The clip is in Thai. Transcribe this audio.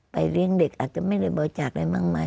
ไปเล่งเด็กอาจจะอกษิตมหลายจากอะไรมากมาย